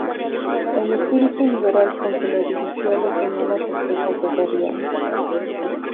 El espíritu liberal con que lo dirigía le ganó las sospechas del gobierno.